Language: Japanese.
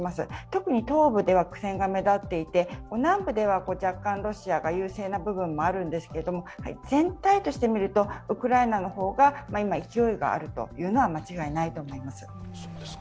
特に東部では苦戦が目立っていて南部では若干ロシアが優勢な部分があるんですけど全体として見るとウクライナの方が今、勢いがあるのは間違いないと思います。